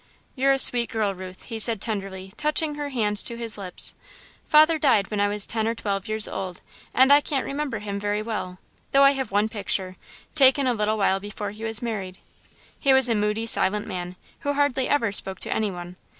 "You're a sweet girl, Ruth," he said, tenderly, touching her hand to his lips. "Father died when I was ten or twelve years old and I can't remember him very well, though I have one picture, taken a little while before he was married. He was a moody, silent man, who hardly ever spoke to any one.